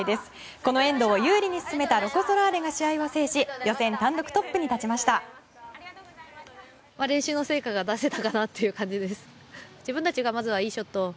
このエンドを有利に進めたロコ・ソラーレが試合を制し予選単独トップに立ちました。